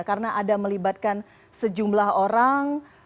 karena ada melibatkan sejumlah orang